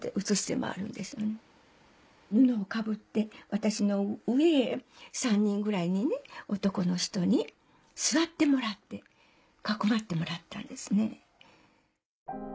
私の上へ３人ぐらいにね男の人に座ってもらってかくまってもらったんですね。